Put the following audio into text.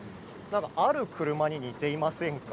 ある車に似ていませんか？